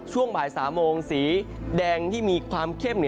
ช่วงบ่าย๓โมงสีแดงที่มีความเข้ม